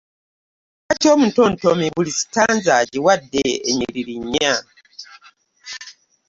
Lwaki omuntontomi buli sitanza agiwadde ennyiriri nnya?